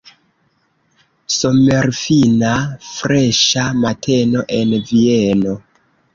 Somerfina, freŝa mateno en Vieno!